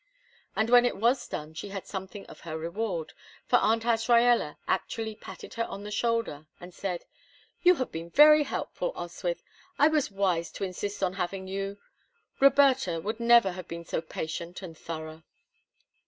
And when it was done she had something of her reward, for Aunt Azraella actually patted her on the shoulder, and said: "You have been very helpful, Oswyth. I was wise to insist on having you; Roberta would never have been so patient and thorough."